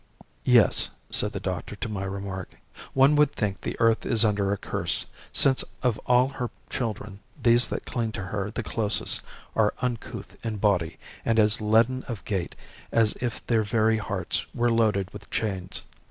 "Yes," said the doctor to my remark, "one would think the earth is under a curse, since of all her children these that cling to her the closest are uncouth in body and as leaden of gait as if their very hearts were loaded with chains.